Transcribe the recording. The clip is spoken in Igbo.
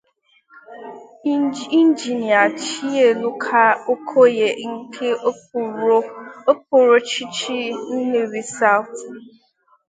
Injinia Chieloka Okoye nke okpuruọchịchị 'Nnewi South'